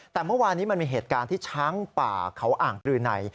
แต่เมื่อวานนี้มันมีเหตุการณ์ที่ช้างป่าเขาอ่างปลือใน